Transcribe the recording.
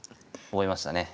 覚えました。